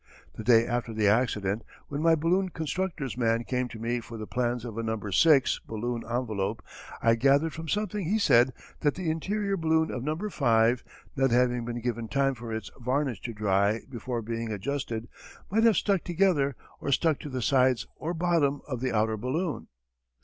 The day after the accident when my balloon constructor's man came to me for the plans of a "No. 6" balloon envelope I gathered from something he said that the interior balloon of "No. 5," not having been given time for its varnish to dry before being adjusted, might have stuck together or stuck to the sides or bottom of the outer balloon.